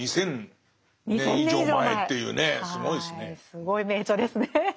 すごい名著ですね。